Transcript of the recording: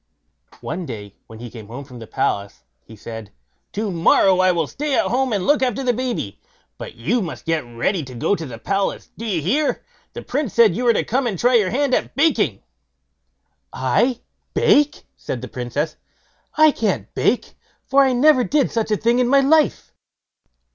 One day, when he came home from the palace, he said: "To morrow I will stay at home and look after the baby, but you must get ready to go to the palace, do you hear! for the Prince said you were to come and try your hand at baking." "I bake!" said the Princess; "I can't bake, for I never did such a thing in my life."